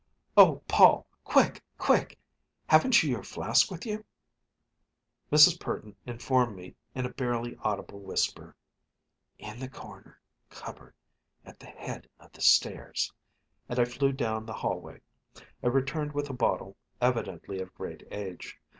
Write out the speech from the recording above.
"Oh, Paul, quick! quick! Haven't you your flask with you?" Mrs. Purdon informed me in a barely audible whisper, "In the corner cupboard at the head of the stairs," and I flew down the hallway. I returned with a bottle, evidently of great age.